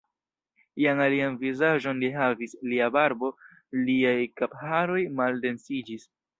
Ian alian vizaĝon li havis, lia barbo, liaj kapharoj maldensiĝis.